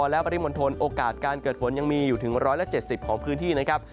และปริมณฑลโอกาสการเกิดฝนยังมีอยู่ถึง๑๗๐ของพื้นที่นะครับ